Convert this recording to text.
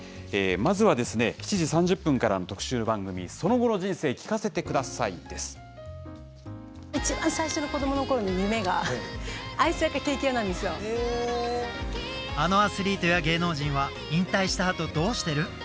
まずは、７時３０分からの特集番組、その後の人生聞かせて下さあのアスリートや芸能人は、引退したあと、どうしてる？